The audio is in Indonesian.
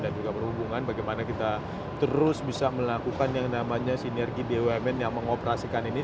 dan juga berhubungan bagaimana kita terus bisa melakukan yang namanya sinergi bumn yang mengoperasikan ini